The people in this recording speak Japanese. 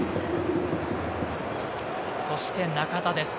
そして中田です。